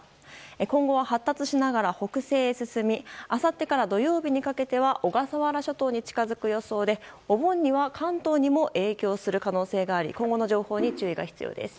今後は発達しながら北西へ進みあさってから土曜日にかけて小笠原諸島に近づく予想でお盆には関東にも影響する可能性があり今後の情報に注意が必要です。